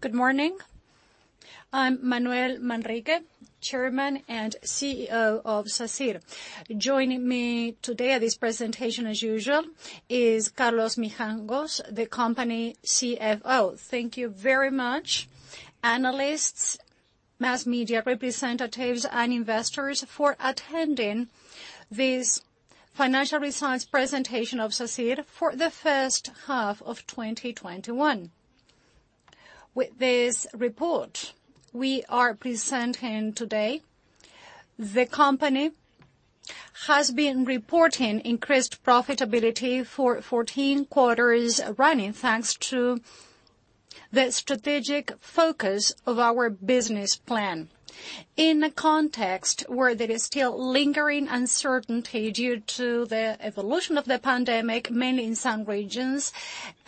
Good morning. I'm Manuel Manrique, Chairman and Chief Executive Officer of Sacyr. Joining me today at this presentation, as usual, is Carlos Mijangos, the company CFO. Thank you very much analysts, mass media representatives, and investors for attending this financial results presentation of Sacyr for the first half of 2021. With this report we are presenting today, the company has been reporting increased profitability for 14 quarters running, thanks to the strategic focus of our business plan. In a context where there is still lingering uncertainty due to the evolution of the pandemic, mainly in some regions,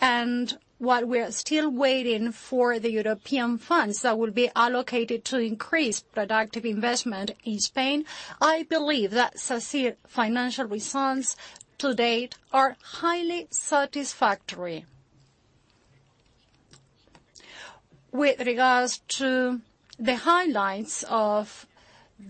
and while we are still waiting for the European funds that will be allocated to increase productive investment in Spain, I believe that Sacyr financial results to date are highly satisfactory. With regards to the highlights of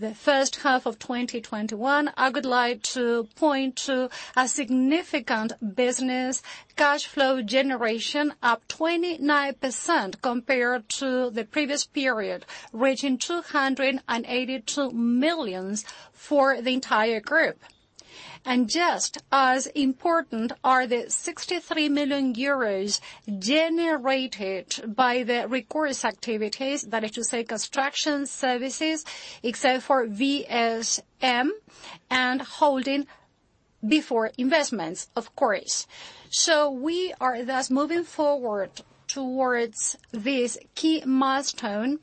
the first half of 2021, I would like to point to a significant business cash flow generation, up 29% compared to the previous period, reaching 282 million for the entire group. Just as important are the 63 million euros generated by the recourse activities, that is to say construction services, except for VSM and holding before investments, of course. We are thus moving forward towards this key milestone,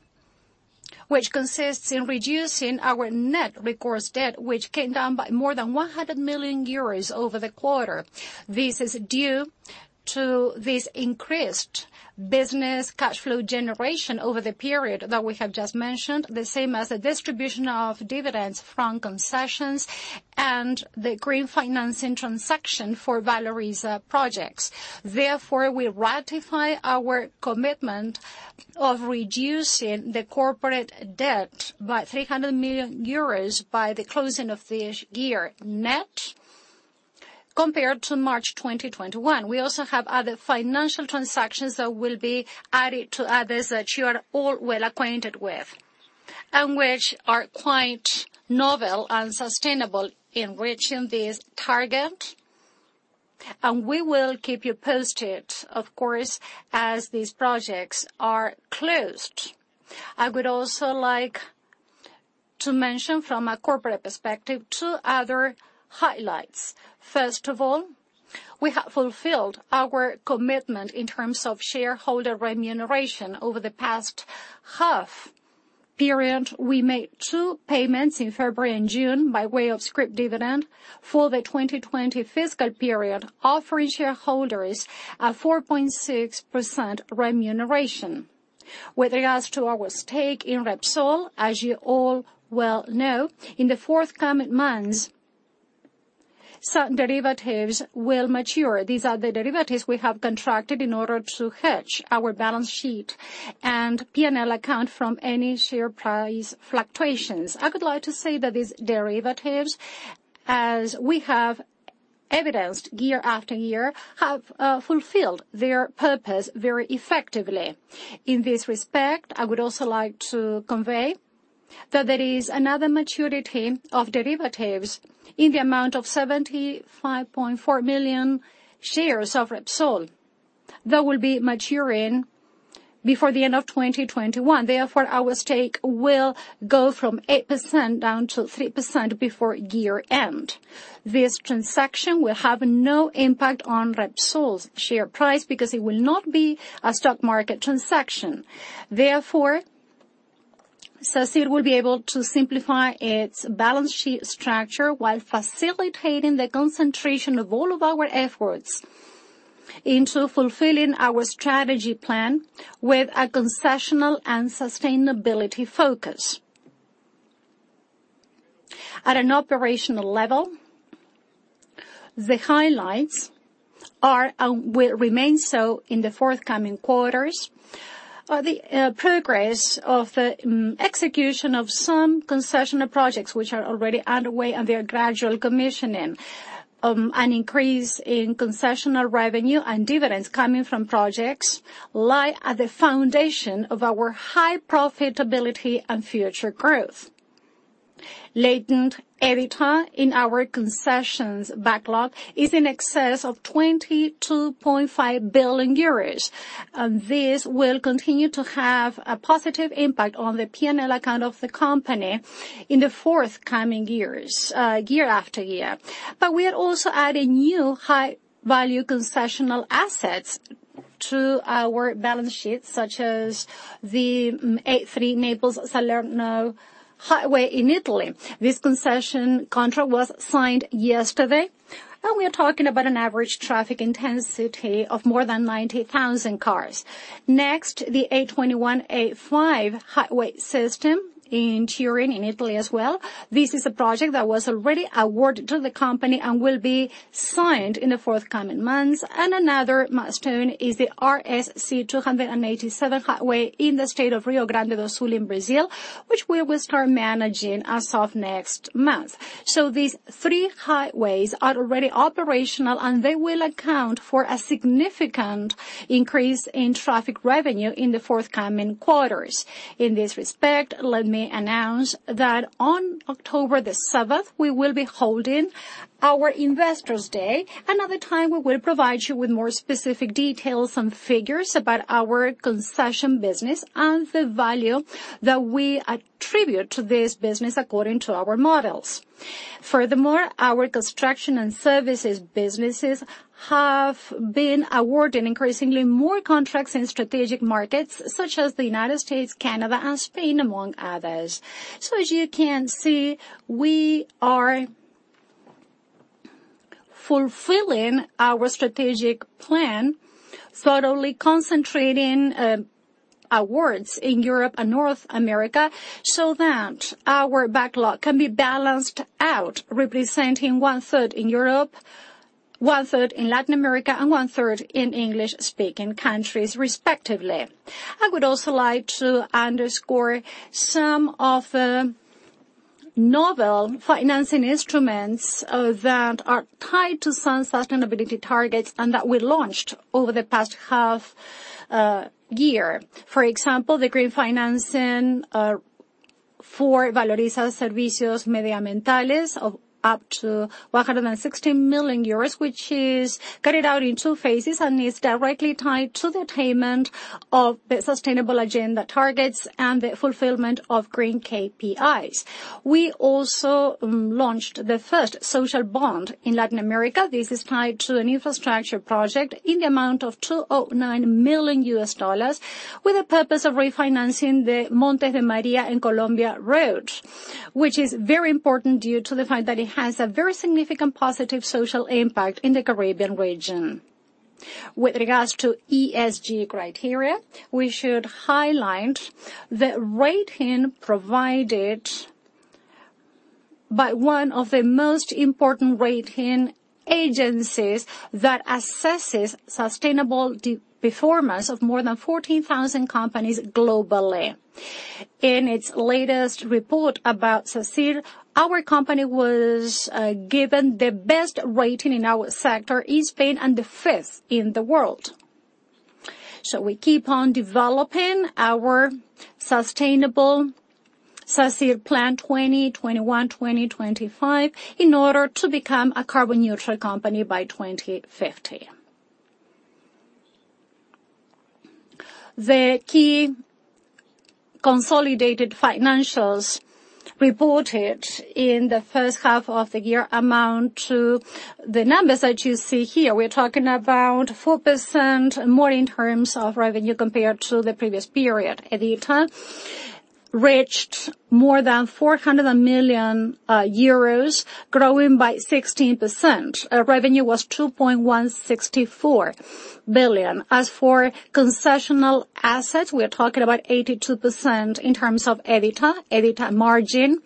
which consists in reducing our net recourse debt, which came down by more than 100 million euros over the quarter. This is due to this increased business cash flow generation over the period that we have just mentioned, the same as the distribution of dividends from concessions and the green financing transaction for Valoriza projects. We ratify our commitment of reducing the corporate debt by 300 million euros by the closing of this year net compared to March 2021. We also have other financial transactions that will be added to others that you are all well acquainted with, and which are quite novel and sustainable in reaching this target. We will keep you posted, of course, as these projects are closed. I would also like to mention from a corporate perspective two other highlights. First of all, we have fulfilled our commitment in terms of shareholder remuneration over the past half period. We made two payments in February and June by way of scrip dividend for the 2020 fiscal period, offering shareholders a 4.6% remuneration. With regards to our stake in Repsol, as you all well know, in the forthcoming months, some derivatives will mature. These are the derivatives we have contracted in order to hedge our balance sheet and P&L account from any share price fluctuations. I would like to say that these derivatives, as we have evidenced year after year, have fulfilled their purpose very effectively. In this respect, I would also like to convey that there is another maturity of derivatives in the amount of 75.4 million shares of Repsol that will be maturing before the end of 2021. Our stake will go from 8% down to 3% before year end. This transaction will have no impact on Repsol's share price because it will not be a stock market transaction. Sacyr will be able to simplify its balance sheet structure while facilitating the concentration of all of our efforts into fulfilling our strategy plan with a concessional and sustainability focus. At an operational level, the highlights are, and will remain so in the forthcoming quarters, are the progress of execution of some concessional projects which are already underway and their gradual commissioning. An increase in concessional revenue and dividends coming from projects lie at the foundation of our high profitability and future growth. Latent EBITDA in our concessions backlog is in excess of 22.5 billion euros. This will continue to have a positive impact on the P&L account of the company in the forthcoming years, year after year. We are also adding new high-value concessional assets to our balance sheet, such as the A3 Naples-Salerno highway in Italy. This concession contract was signed yesterday, and we are talking about an average traffic intensity of more than 90,000 cars. Next, the A21 A5 highway system in Turin, in Italy as well. This is a project that was already awarded to the company and will be signed in the forthcoming months. Another milestone is the RSC-287 highway in the state of Rio Grande do Sul in Brazil, which we will start managing as of next month. These three highways are already operational, and they will account for a significant increase in traffic revenue in the forthcoming quarters. In this respect, let me announce that on October 7th, we will be holding our Investors' Day. Another time, we will provide you with more specific details and figures about our concession business and the value that we attribute to this business according to our models. Furthermore, our construction and services businesses have been awarding increasingly more contracts in strategic markets such as the United States, Canada, and Spain, among others. As you can see, we are fulfilling our strategic plan, thoroughly concentrating awards in Europe and North America so that our backlog can be balanced out, representing 1/3 in Europe, 1/3 in Latin America, and 1/3 in English-speaking countries, respectively. I would also like to underscore some of the novel financing instruments that are tied to Sacyr's sustainability targets and that we launched over the past half year. For example, the green financing for Valoriza Servicios Medioambientales of up to 160 million euros, which is carried out in two phases and is directly tied to the attainment of the sustainable agenda targets and the fulfillment of green KPIs. We also launched the first social bond in Latin America. This is tied to an infrastructure project in the amount of $209 million, with the purpose of refinancing the Montes de Maria in Colombia road, which is very important due to the fact that it has a very significant positive social impact in the Caribbean region. With regards to ESG criteria, we should highlight the rating provided by one of the most important rating agencies that assesses sustainable performance of more than 14,000 companies globally. In its latest report about Sacyr, our company was given the best rating in our sector in Spain and the fifth in the world. We keep on developing our sustainable Sacyr Plan 2021-2025 in order to become a carbon-neutral company by 2050. The key consolidated financials reported in the first half of the year amount to the numbers that you see here. We're talking about 4% more in terms of revenue compared to the previous period. EBITDA reached more than 400 million euros, growing by 16%. Revenue was 2.164 billion. As for concessional assets, we are talking about 82% in terms of EBITDA. EBITDA margin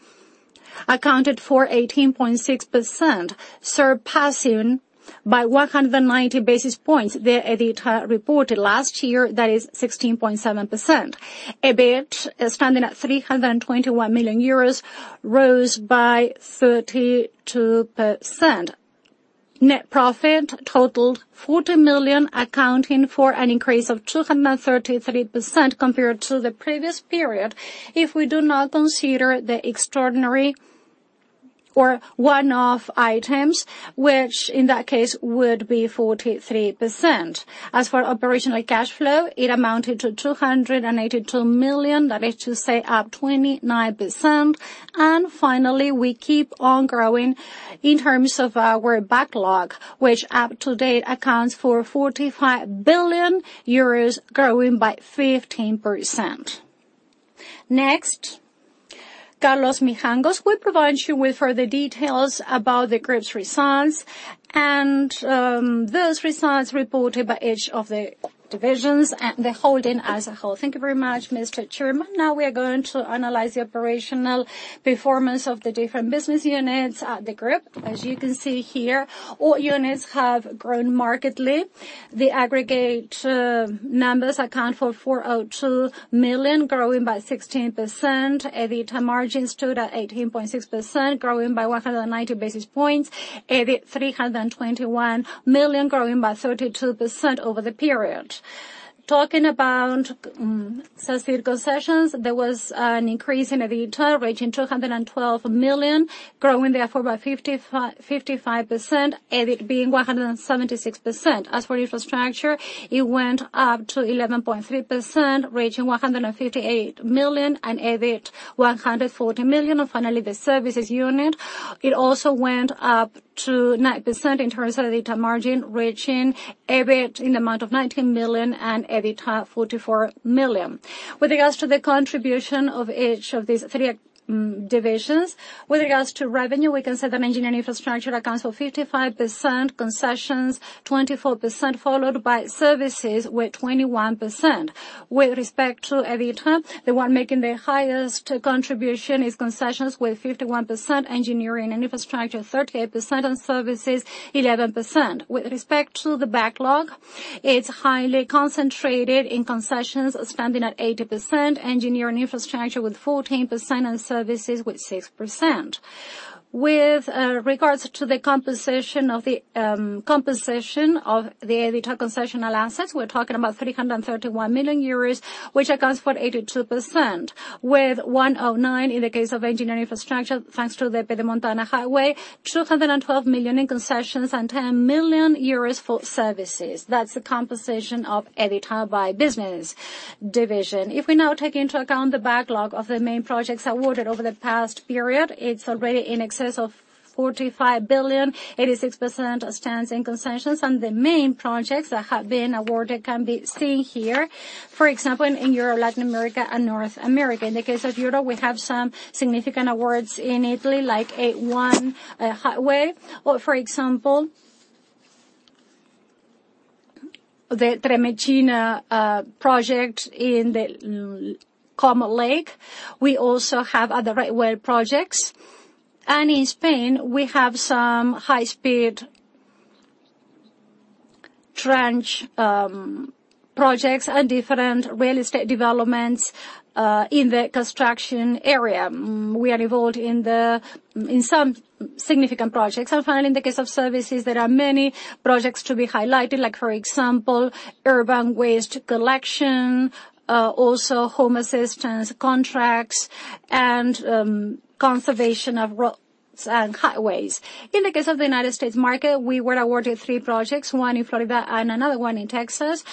accounted for 18.6%, surpassing by 190 basis points the EBITDA reported last year, that is 16.7%. EBIT standing at EUR 321 million, rose by 32%. Net profit totaled 40 million, accounting for an increase of 233% compared to the previous period. If we do not consider the extraordinary or one-off items, which in that case would be 43%. As for operational cash flow, it amounted to 282 million, that is to say, up 29%. Finally, we keep on growing in terms of our backlog, which up to date accounts for 45 billion euros, growing by 15%. Next, Carlos Mijangos will provide you with further details about the group's results and those results reported by each of the divisions and the holding as a whole. Thank you very much, Mr. Chairman. We are going to analyze the operational performance of the different business units at the group. As you can see here, all units have grown markedly. The aggregate numbers account for 402 million, growing by 16%. EBITDA margin stood at 18.6%, growing by 190 basis points. EBIT 321 million, growing by 32% over the period. Talking about Sacyr Concessions, there was an increase in EBITDA, reaching 212 million, growing therefore by 55%, EBIT being 176%. As for infrastructure, it went up to 11.3%, reaching 158 million, and EBIT 140 million. Finally, the services unit also went up to 9% in terms of EBITDA margin, reaching EBIT in the amount of 19 million and EBITDA 44 million. With regards to the contribution of each of these three divisions, with regards to revenue, we can say that engineering infrastructure accounts for 55%, concessions 24%, followed by services with 21%. With respect to EBITDA, the one making the highest contribution is concessions with 51%, engineering and infrastructure 38%, and services 11%. With respect to the backlog, it's highly concentrated in concessions, standing at 80%, engineering infrastructure with 14%, and services with 6%. With regards to the composition of the EBITDA concessional assets, we're talking about 331 million euros, which accounts for 82%, with 109 million in the case of engineering infrastructure, thanks to the Pedemontana Highway, 212 million in concessions, and 10 million euros for services. That's the composition of EBITDA by business division. If we now take into account the backlog of the main projects awarded over the past period, it's already in excess of 45 billion, 86% stands in concessions. The main projects that have been awarded can be seen here. For example, in Europe, Latin America, and North America. In the case of Europe, we have some significant awards in Italy, like A3, or for example, the Tremezzina project in the Como province. We also have other railway projects. In Spain, we have some high-speed trench projects and different real estate developments in the construction area. We are involved in some significant projects. Finally, in the case of services, there are many projects to be highlighted, like for example, urban waste collection, also home assistance contracts, and conservation of roads and highways. In the case of the U.S. market, we were awarded three projects, one in Florida and another one in Texas.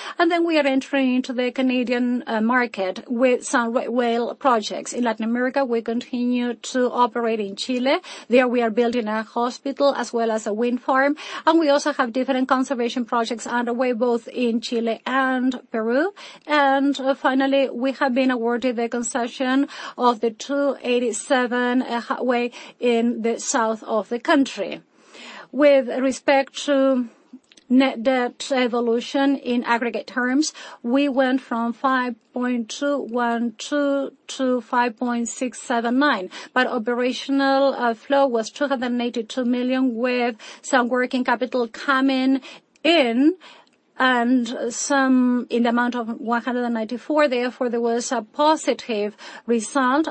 We are entering into the Canadian market with some railway projects. In Latin America, we continue to operate in Chile. There we are building a hospital as well as a wind farm. We also have different conservation projects underway, both in Chile and Peru. Finally, we have been awarded the concession of the 287 highway in the south of the country. With respect to net debt evolution in aggregate terms, we went from 5,212 million to 5,679 million. Operational flow was 282 million, with some working capital coming in and some in the amount of 194 million. Therefore, there was a positive result.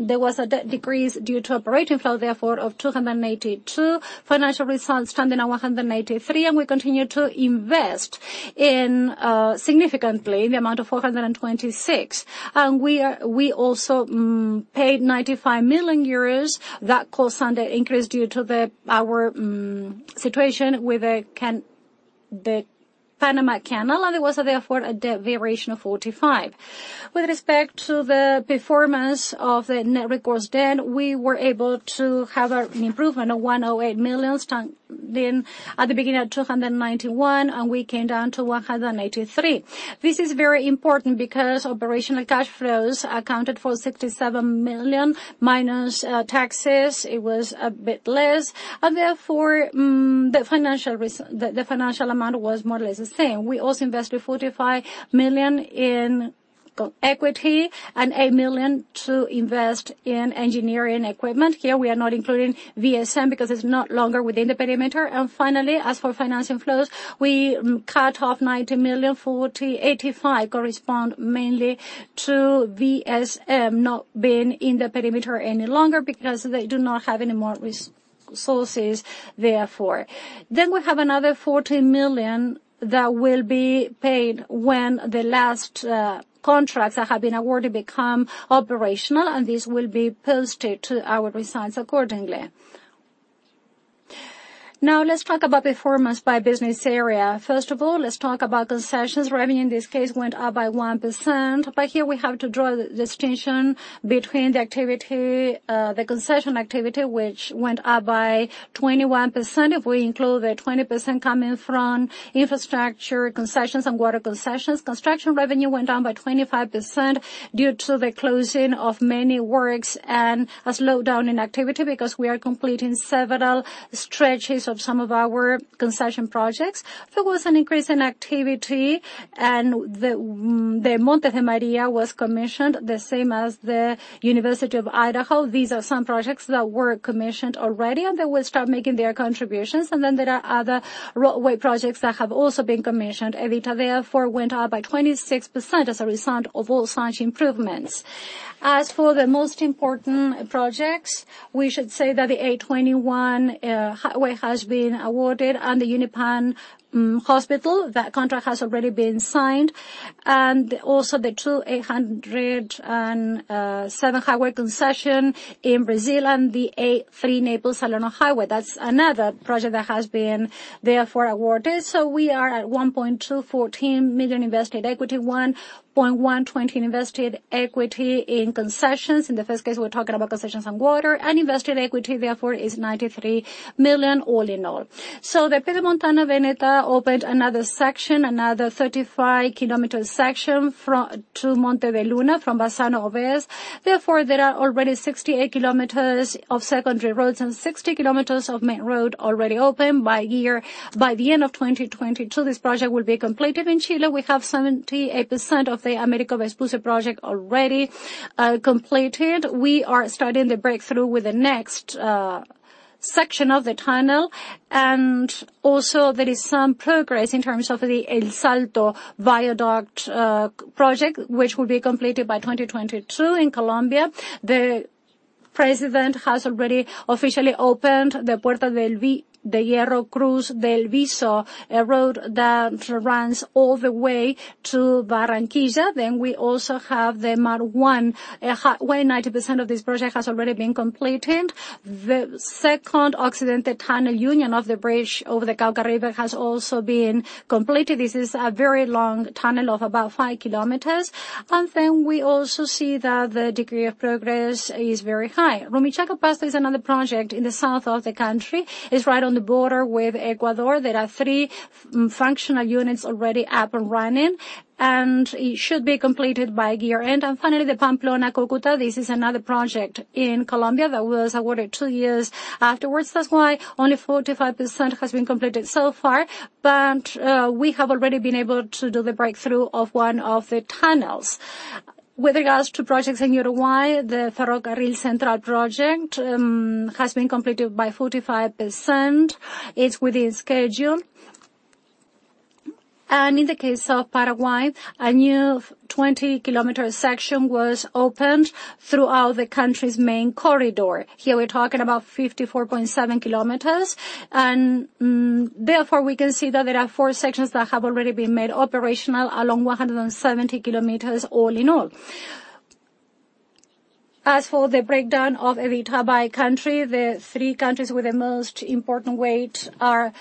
There was a debt decrease due to operating flow, therefore, of 282 million. Financial results standing at 183 million, we continue to invest in significantly, the amount of 426 million. We also paid 95 million euros. That caused an increase due to our situation with the Panama Canal. It was therefore a debt variation of 45 million. With respect to the performance of the net recourse debt, we were able to have an improvement of 108 million, standing at the beginning at 291 million, and we came down to 183 million. This is very important because operational cash flows accounted for 67 million, minus taxes, it was a bit less. Therefore, the financial amount was more or less the same. We also invested 45 million in equity and 8 million to invest in engineering equipment. Here, we are not including VSM because it is no longer within the perimeter. Finally, as for financing flows, we cut off 90 million. correspond mainly to VSM not being in the perimeter any longer because they do not have any more resources therefore. We have another 14 million that will be paid when the last contracts that have been awarded become operational, and this will be posted to our results accordingly. Now let's talk about performance by business area. First of all, let's talk about concessions. Revenue in this case went up by 1%, but here we have to draw the distinction between the concession activity, which went up by 21%, if we include the 20% coming from infrastructure concessions and water concessions. Construction revenue went down by 25% due to the closing of many works and a slowdown in activity because we are completing several stretches of some of our concession projects. There was an increase in activity, and the Monte de Maria was commissioned, the same as the University of Idaho. These are some projects that were commissioned already, and they will start making their contributions. There are other railway projects that have also been commissioned. EBITDA, therefore, went up by 26% as a result of all such improvements. As for the most important projects, we should say that the A21 highway has been awarded and the Buin-Paine hospital. That contract has already been signed. The 207 highway concession in Brazil and the A3 Naples-Salerno highway. That's another project that has been therefore awarded. We are at 1,214 million invested equity, 1,120 million invested equity in concessions. In the first case, we're talking about concessions on water. Invested equity, therefore, is 93 million all in all. The Pedemontana Veneta opened another section, another 35 km section to Montebelluna from Bassano Ovest. There are already 68 km of secondary roads and 60 km of main road already open. By the end of 2022, this project will be completed. In Chile, we have 78% of the Américo Vespucio project already completed. We are starting the breakthrough with the next section of the tunnel. Also, there is some progress in terms of the El Salto viaduct project, which will be completed by 2022 in Colombia. The president has already officially opened the Puerta del Hierro Cruz del Viso Road that runs all the way to Barranquilla. We also have the Mar 1, where 90% of this project has already been completed. The second Occidente tunnel, union of the bridge over the Cauca River, has also been completed. This is a very long tunnel of about 5 km. Then we also see that the degree of progress is very high. Rumichaca-Pasto is another project in the south of the country. It's right on the border with Ecuador. There are three functional units already up and running, and it should be completed by year-end. Finally, the Pamplona-Cúcuta. This is another project in Colombia that was awarded two years afterwards. That's why only 45% has been completed so far. We have already been able to do the breakthrough of one of the tunnels. With regards to projects in Uruguay, the Ferrocarril Central project has been completed by 45%. It's within schedule. In the case of Paraguay, a new 20km section was opened throughout the country's main corridor. Here we're talking about 54.7 km. Therefore, we can see that there are four sections that have already been made operational along 170 km all in all. As for the breakdown of EBITDA by country, the three countries with the most important weight are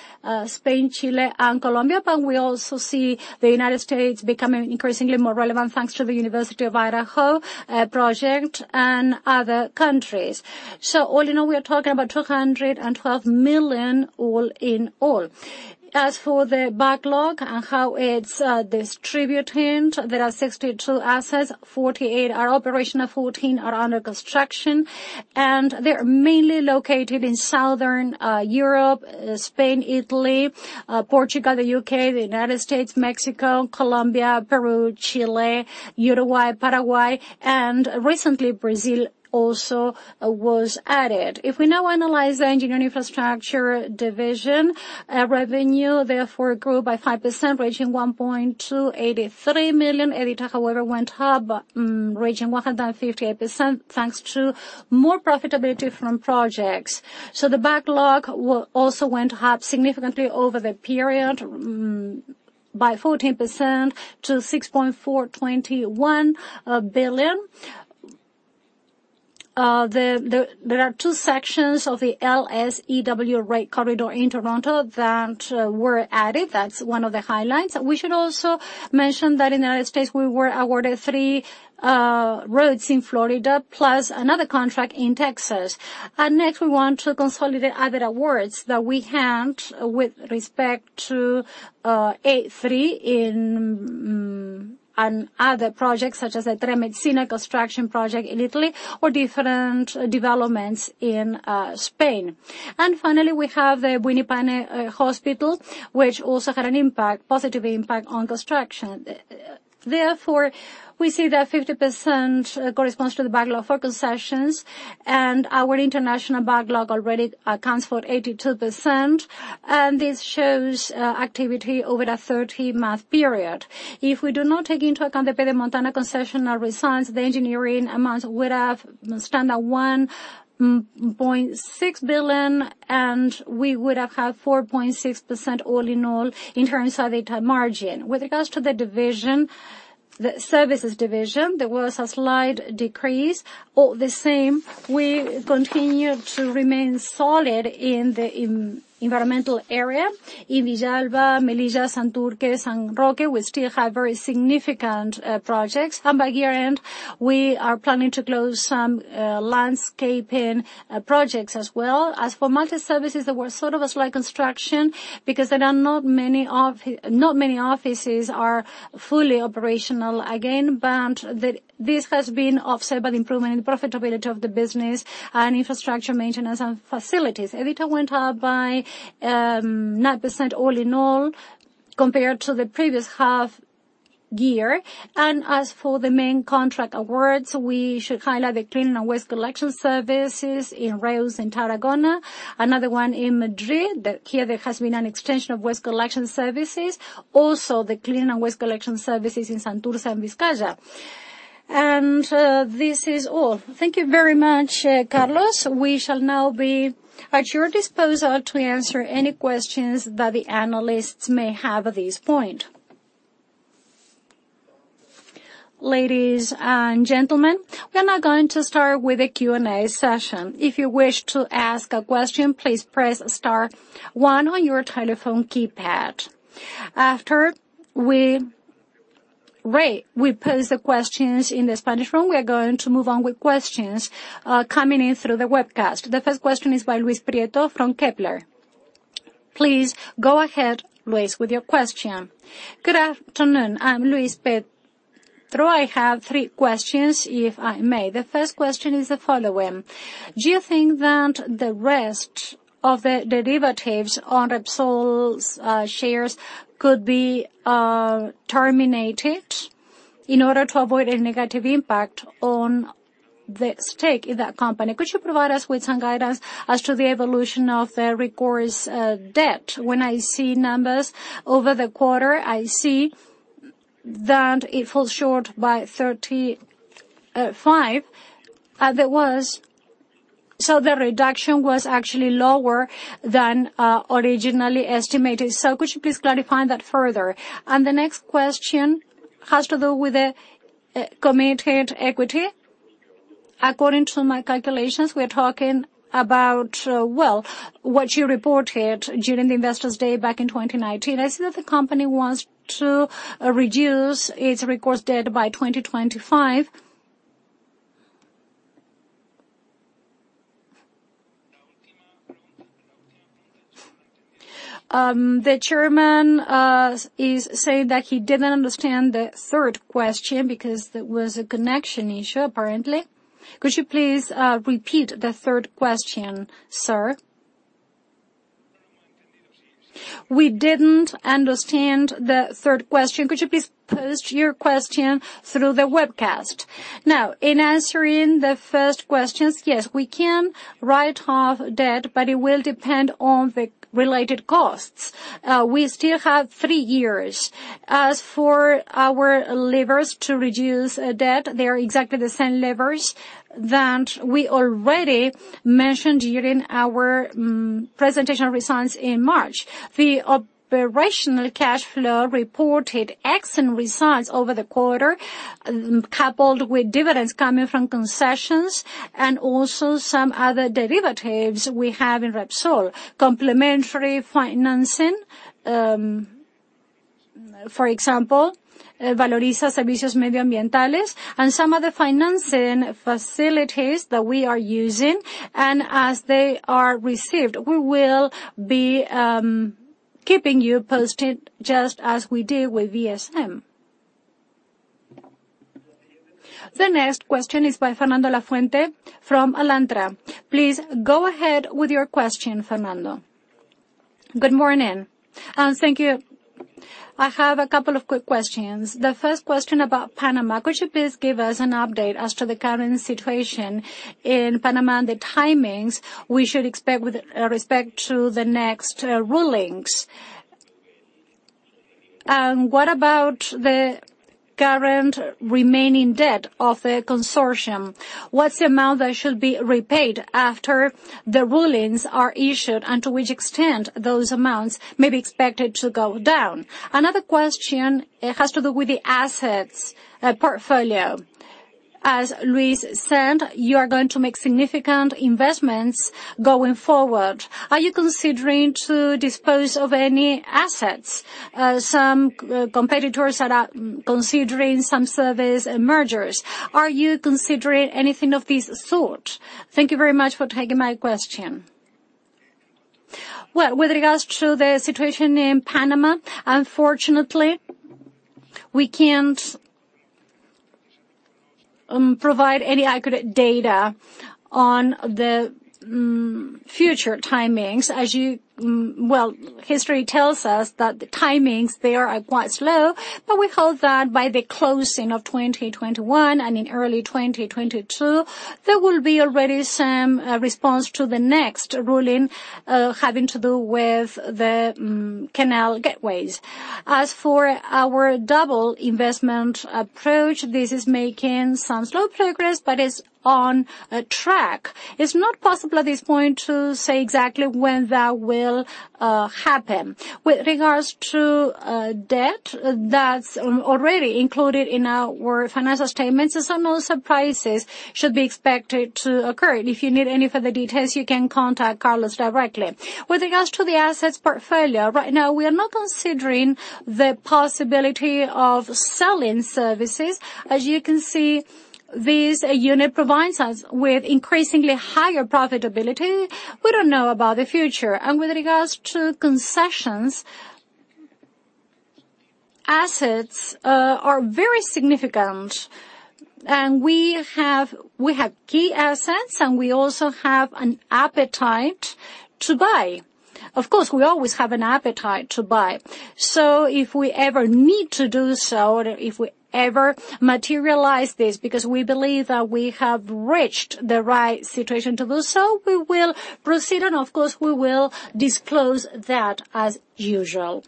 Spain, Chile, and Colombia. We also see the U.S. becoming increasingly more relevant thanks to the University of Idaho project and other countries. All in all, we are talking about 212 million. As for the backlog and how it's distributed, there are 62 assets, 48 are operational, 14 are under construction. They're mainly located in Southern Europe, Spain, Italy, Portugal, the U.K., the U.S., Mexico, Colombia, Peru, Chile, Uruguay, Paraguay, and recently Brazil also was added. If we now analyze the engineering infrastructure division, revenue therefore grew by 5%, reaching 1.283 million. EBITDA, however, went up, reaching 158%, thanks to more profitability from projects. The backlog also went up significantly over the period, by 14% to 6.421 billion. There are two sections of the LS-EW Rail corridor in Toronto that were added. That's one of the highlights. We should also mention that in the U.S., we were awarded three roads in Florida, plus another contract in Texas. Next, we want to consolidate other awards that we have with respect to A3 and other projects such as the Tremezzina construction project in Italy or different developments in Spain. Finally, we have the Buin-Paine Hospital, which also had a positive impact on construction. We see that 50% corresponds to the backlog for concessions, and our international backlog already accounts for 82%, and this shows activity over the 30-month period. If we do not take into account the Pedemontana Concessional results, the engineering amount would have stand at 1.6 billion, and we would have had 4.6% all in all in terms of EBITDA margin. With regards to the services division, there was a slight decrease. All the same, we continue to remain solid in the environmental area. In Villalba, Melilla, Santurce, San Roque, we still have very significant projects. By year-end, we are planning to close some landscaping projects as well. As for multi services, there was sort of a slight contraction because not many offices are fully operational again, this has been offset by the improvement in the profitability of the business and infrastructure maintenance and facilities. EBITDA went up by 9% all in all compared to the previous half year. As for the main contract awards, we should highlight the clean and waste collection services in Reus and Tarragona. Another one in Madrid. Here there has been an extension of waste collection services. The clean and waste collection services in Santurce and Vizcaya. This is all. Thank you very much, Carlos. We shall now be at your disposal to answer any questions that the analysts may have at this point. Ladies and gentlemen, we are now going to start with the Q&A session. If you wish to ask a question, please press star one on your telephone keypad. After we pose the questions in the Spanish room, we are going to move on with questions coming in through the webcast. The first question is by Luis Prieto from Kepler. Please go ahead, Luis, with your question. Good afternoon. I'm Luis Prieto. I have three questions, if I may. The first question is the following. Do you think that the rest of the derivatives on Repsol's shares could be terminated? In order to avoid a negative impact on the stake in that company, could you provide us with some guidance as to the evolution of the recourse debt? When I see numbers over the quarter, I see that it falls short by 35. The reduction was actually lower than originally estimated. Could you please clarify that further? The next question has to do with the committed equity. According to my calculations, we're talking about, well, what you reported during the Investors' Day back in 2019. I see that the company wants to reduce its recourse debt by 2025. The Chairman is saying that he didn't understand the third question because there was a connection issue, apparently. Could you please, repeat the third question, sir? We didn't understand the third question. Could you please post your question through the webcast? Now, in answering the first questions, yes, we can write off debt, but it will depend on the related costs. We still have three years. As for our levers to reduce debt, they are exactly the same levers that we already mentioned during our presentation results in March. The operational cash flow reported excellent results over the quarter, coupled with dividends coming from concessions and also some other derivatives we have in Repsol. Complementary financing, for example, Valoriza Servicios Medioambientales, and some other financing facilities that we are using. As they are received, we will be keeping you posted just as we did with VSM. The next question is by Fernando Lafuente from Alantra. Please go ahead with your question, Fernando. Good morning, and thank you. I have a couple of quick questions. The first question about Panama. Could you please give us an update as to the current situation in Panama and the timings we should expect with respect to the next rulings? What about the current remaining debt of the consortium? What's the amount that should be repaid after the rulings are issued, and to which extent those amounts may be expected to go down? Another question, it has to do with the assets portfolio. As Luis said, you are going to make significant investments going forward. Are you considering to dispose of any assets? Some competitors are considering some service mergers. Are you considering anything of this sort? Thank you very much for taking my question. Well, with regards to the situation in Panama, unfortunately, we can't provide any accurate data on the future timings. Well, history tells us that the timings, they are quite slow, but we hope that by the closing of 2021 and in early 2022, there will be already some response to the next ruling, having to do with the canal gateways. As for our double investment approach, this is making some slow progress, but it's on track. It's not possible at this point to say exactly when that will happen. With regards to debt, that's already included in our financial statements, so no surprises should be expected to occur. If you need any further details, you can contact Carlos directly. With regards to the assets portfolio, right now we are not considering the possibility of selling services. As you can see, this unit provides us with increasingly higher profitability. We don't know about the future. With regards to concessions, assets are very significant, and we have key assets, and we also have an appetite to buy. Of course, we always have an appetite to buy. If we ever need to do so, or if we ever materialize this, because we believe that we have reached the right situation to do so, we will proceed and, of course, we will disclose that as usual.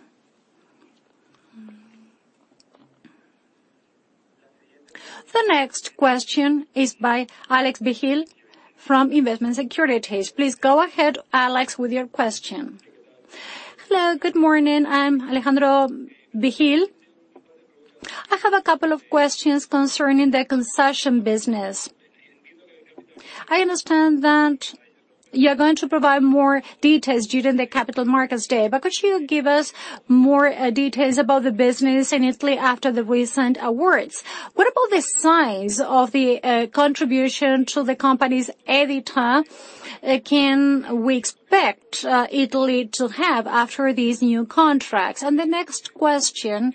The next question is by Alex Vigil from Bestinver Securities. Please go ahead, Alex, with your question. Hello, good morning. I'm Alejandro Vigil. I have a couple of questions concerning the concession business. I understand that you're going to provide more details during the Capital Markets Day. Could you give us more details about the business in Italy after the recent awards? What about the size of the contribution to the company's EBITDA can we expect Italy to have after these new contracts? The next question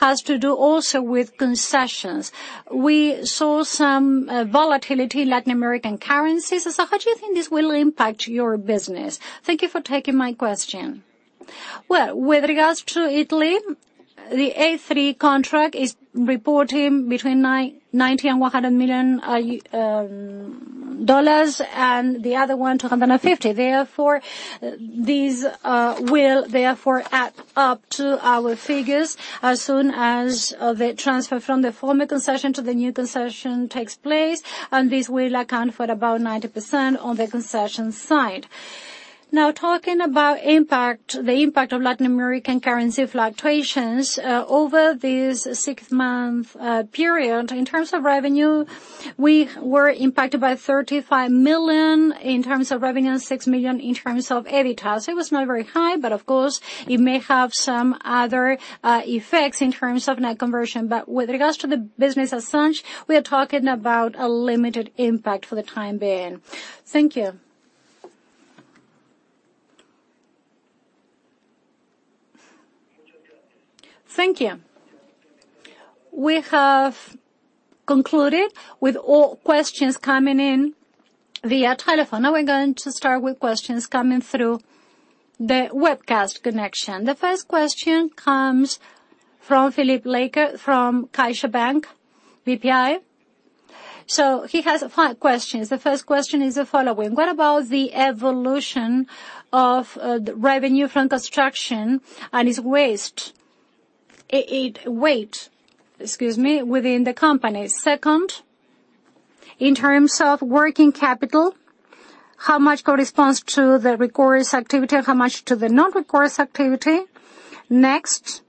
has to do also with concessions. We saw some volatility in Latin American currencies. How do you think this will impact your business? Thank you for taking my question. Well, with regards to Italy, the A3 contract is reporting between 90 million and EUR 100 million, and the other one 250 million. These will therefore add up to our figures as soon as the transfer from the former concession to the new concession takes place, and this will account for about 90% on the concession side. Now talking about the impact of Latin American currency fluctuations. Over this six-month period, in terms of revenue, we were impacted by 35 million, in terms of revenue, 6 million in terms of EBITDA. It was not very high, but of course, it may have some other effects in terms of net conversion. With regards to the business as such, we are talking about a limited impact for the time being. Thank you. Thank you. We have concluded with all questions coming in via telephone. Now we're going to start with questions coming through the webcast connection. The first question comes from Filipe Leite from CaixaBank BPI. He has five questions. The first question is the following: What about the evolution of revenue from construction and its weight within the company? Second, in terms of working capital, how much corresponds to the recourse activity and how much to the non-recourse activity? Next,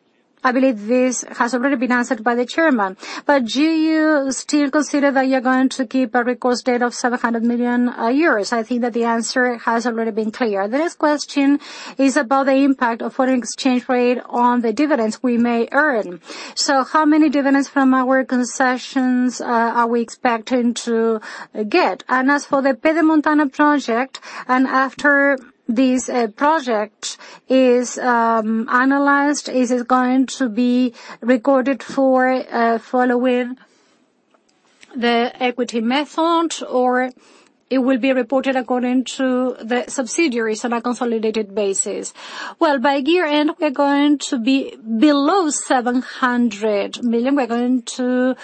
I believe this has already been answered by the Chairman, but do you still consider that you're going to keep a recourse debt of 700 million? I think that the answer has already been clear. The next question is about the impact of foreign exchange rate on the dividends we may earn. How many dividends from our concessions are we expecting to get? As for the Pedemontana project, and after this project is analyzed, is it going to be recorded for following the equity method, or it will be reported according to the subsidiaries on a consolidated basis? By year-end, we're going to be below 700 million. We're going to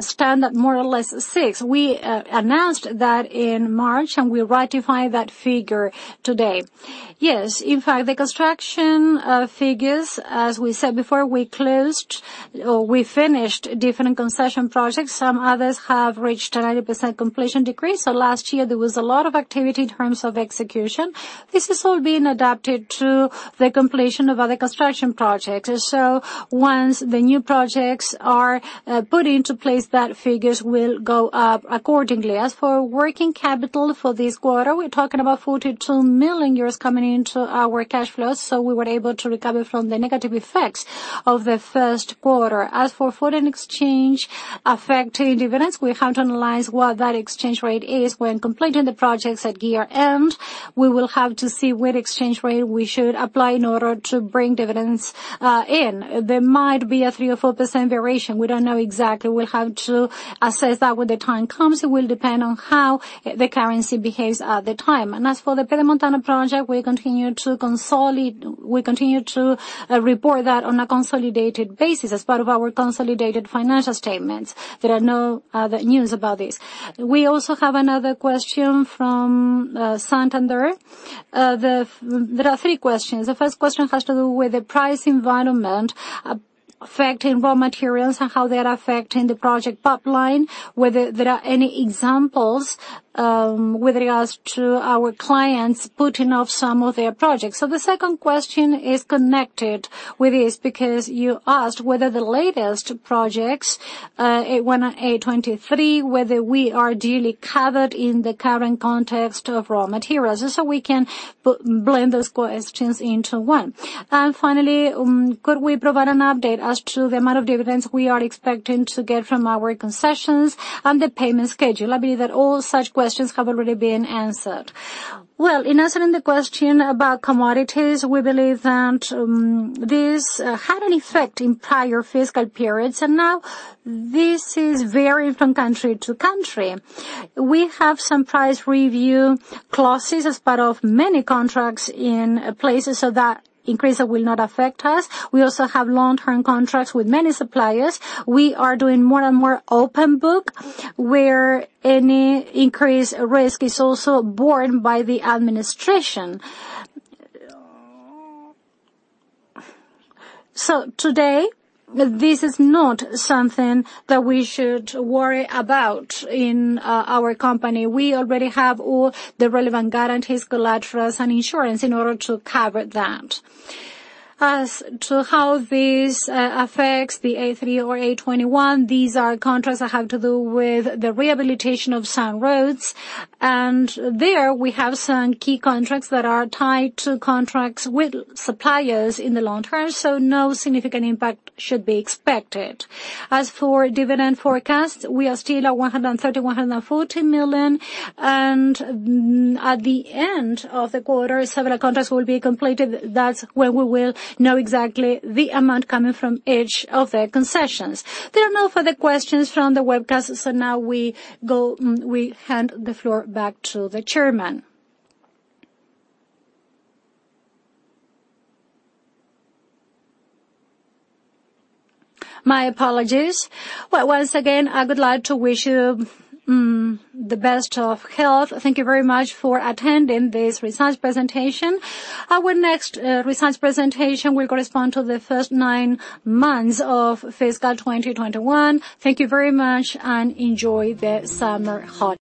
stand at more or less 6 million. We announced that in March, and we ratify that figure today. In fact, the construction figures, as we said before, we finished different concession projects. Some others have reached a 90% completion degree. Last year there was a lot of activity in terms of execution. This has all been adapted to the completion of other construction projects. Once the new projects are put into place, that figures will go up accordingly. As for working capital for this quarter, we're talking about 42 million euros coming into our cash flows, so we were able to recover from the negative effects of the first quarter. As for foreign exchange affecting dividends, we have to analyze what that exchange rate is. When completing the projects at year-end, we will have to see what exchange rate we should apply in order to bring dividends in. There might be a 3% or 4% variation. We don't know exactly. We'll have to assess that when the time comes. It will depend on how the currency behaves at the time. As for the Pedemontana project, we continue to report that on a consolidated basis as part of our consolidated financial statements. There are no other news about this. We also have another question from Santander. There are three questions. The first question has to do with the price environment affecting raw materials and how they are affecting the project pipeline, whether there are any examples with regards to our clients putting off some of their projects. The second question is connected with this because you asked whether the latest projects, A3, whether we are duly covered in the current context of raw materials. We can blend those questions into one. Finally, could we provide an update as to the amount of dividends we are expecting to get from our concessions and the payment schedule? I believe that all such questions have already been answered. Well, in answering the question about commodities, we believe that this had an effect in prior fiscal periods. Now this is varying from country to country. We have some price review clauses as part of many contracts in places. That increase will not affect us. We also have long-term contracts with many suppliers. We are doing more and more open book, where any increased risk is also borne by the administration. Today, this is not something that we should worry about in our company. We already have all the relevant guarantees, collaterals, and insurance in order to cover that. As to how this affects the A3 or A21, these are contracts that have to do with the rehabilitation of some roads. There we have some key contracts that are tied to contracts with suppliers in the long term. No significant impact should be expected. As for dividend forecasts, we are still at 130 million, 140 million, and at the end of the quarter, several contracts will be completed. That's when we will know exactly the amount coming from each of the concessions. There are no further questions from the webcast. Now we hand the floor back to the Chairman. My apologies. Once again, I would like to wish you the best of health. Thank you very much for attending this results presentation. Our next results presentation will correspond to the first nine months of fiscal 2021. Thank you very much. Enjoy the summer holidays.